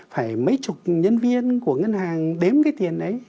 phải mấy chục nhân viên của ngân hàng đếm cái tiền đấy